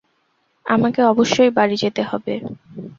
আমাকে অবশ্যই বাড়ি যেতে হবে।